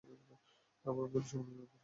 আমার অভিজ্ঞতাসম্পন্ন মেয়ে পছন্দ।